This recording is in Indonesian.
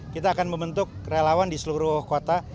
kita akan membentuk relawan di seluruh kota